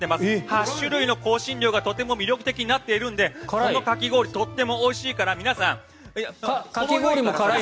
８種類の香辛料がとても魅力的になっているのでこのかき氷とってもおいしいから皆さん。